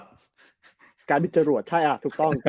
กลายมาเป็นจรวดใช่อ่ะถูกต้อง